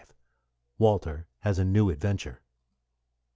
WALTER HAS A NEW ADVENTURE.